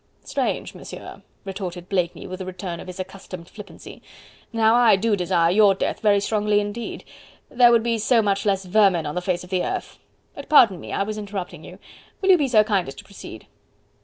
"Strange, Monsieur," retorted Blakeney, with a return of his accustomed flippancy. "Now I do desire your death very strongly indeed there would be so much less vermin on the face of the earth.... But pardon me I was interrupting you.... Will you be so kind as to proceed?"